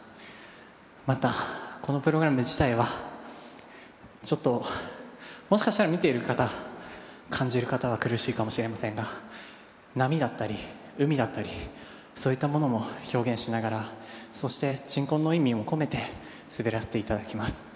またこのプログラム自体はちょっともしかしたら見ている方感じる方は苦しいかもしれませんが波だったり海だったりそういったものも表現しながらそして鎮魂の意味も込めて滑らせて頂きます。